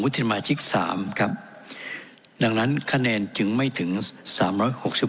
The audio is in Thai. สมาชิกสามครับดังนั้นคะแนนจึงไม่ถึงสามร้อยหกสิบห